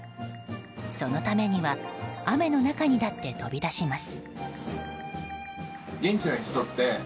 そのためには雨の中にだって飛び出します。